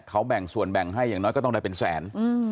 เขาแบ่งส่วนแบ่งให้อย่างน้อยก็ต้องได้เป็นแสน